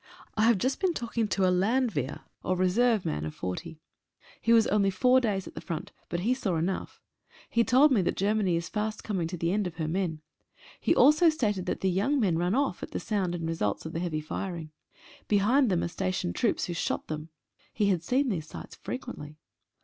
I have just been talking to a Land wehr or reserve man of forty. He was only four days at the front, but he saw enough. He told me that Ger many is fast coming to the end of her men ; he also stated that the young men run off at the sound and results of the heavy firing. Behind them are stationed troops who shot them He had seen these sights frequently.